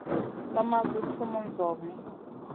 Sa ma guɗ sumun zawni.